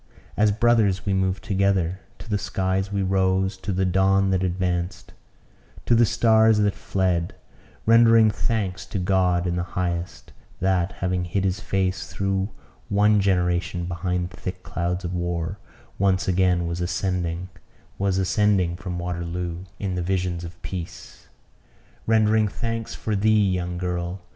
As brothers we moved together; to the skies we rose to the dawn that advanced to the stars that fled; rendering thanks to God in the highest that, having hid his face through one generation behind thick clouds of War, once again was ascending was ascending from Waterloo in the visions of Peace; rendering thanks for thee, young girl!